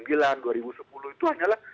dua ribu sembilan dua ribu sepuluh itu hanyalah